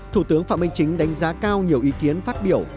thủ tướng phạm minh chính đánh giá cao nhiều ý kiến phát biểu